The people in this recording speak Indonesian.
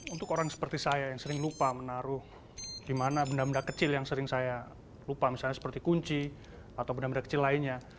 untuk orang seperti saya yang sering lupa menaruh di mana benda benda kecil yang sering saya lupa misalnya seperti kunci atau benda benda kecil lainnya